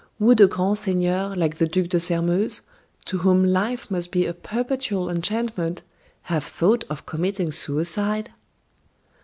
Would a grand seigneur, like the Duc de Sairmeuse, to whom life must be a perpetual enchantment, have thought of committing suicide?"